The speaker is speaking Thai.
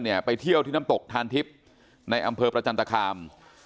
ไปเที่ยวที่น้ำตกทานทิพย์ในอำเภอประจันตคาม